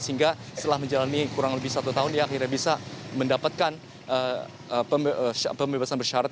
sehingga setelah menjalani kurang lebih satu tahun dia akhirnya bisa mendapatkan pembebasan bersyarat